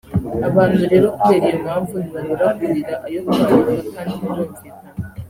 Abantu rero kubera iyo mpamvu ntibabura kurira ayo kwarika kandi birumvikana